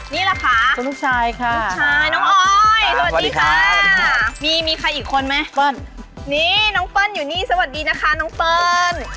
นี่แหละค่ะลูกชายค่ะลูกชายน้องออยสวัสดีค่ะมีมีใครอีกคนไหมเปิ้ลนี่น้องเปิ้ลอยู่นี่สวัสดีนะคะน้องเปิ้ล